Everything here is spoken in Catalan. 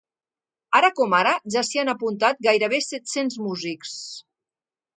Ara com ara, ja s’hi han apuntat gairebé set-cents músics.